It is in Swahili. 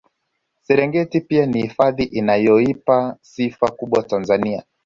Serengeti pia ni hifadhi inayoipa sifa kubwa Tanzania